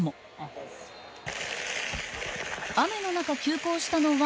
［雨の中急行したのは］